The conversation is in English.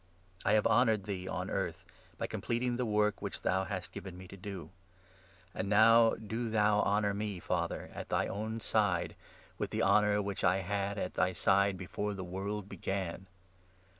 I have honoured thee on 4 earth by completing the work which thou hast given me to do ; and now do thou honour me, 5 Father, at thy own side, with the honour which I had at thy side before the world began.